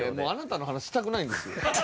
あなたの話したくないんですよ。